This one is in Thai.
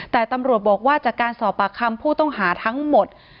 แต่ตำรวจบอกว่าจากการสอบปากคำผู้ต้องหาทั้งหมด